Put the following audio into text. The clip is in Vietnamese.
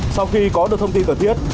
sau khi có được thông tin cần thiết